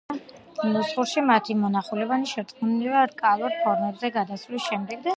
ნუსხურში მათი მოხაზულობანი შერწყმულია რკალურ ფორმებზე გადასვლის შედეგად.